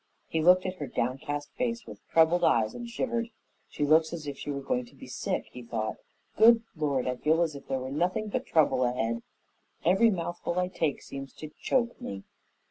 He looked at her downcast face with troubled eyes and shivered. "She looks as if she were going to be sick," he thought. "Good Lord! I feel as if there was nothing but trouble ahead. Every mouthful I take seems to choke me."